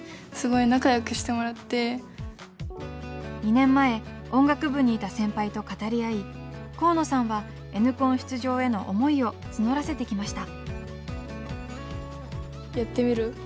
２年前音楽部にいた先輩と語り合い河野さんはＮコン出場への思いを募らせてきました。